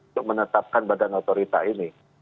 untuk menetapkan badan otorita ini